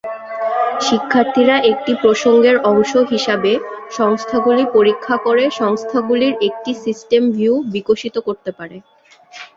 শিক্ষার্থীরা একটি প্রসঙ্গের অংশ হিসাবে সংস্থাগুলি পরীক্ষা করে সংস্থাগুলির একটি সিস্টেম ভিউ বিকশিত করতে পারে।